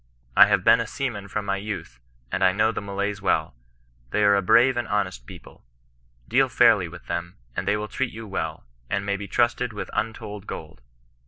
I have been a seaman from my youth, and I know the Malays well. The^ w^ ^i Vcwi^ «sjA. V 128 CHRISTIAN NON RESISTANCE. honest people. Deal fairly with them, and they will treat you well, and may he trusted with untold gold.